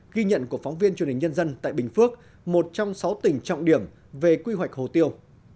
ghi nhận của phóng viên truyền hình nhân dân tại bình phước một trong sáu tỉnh trọng điểm về quy hoạch hồ tiêu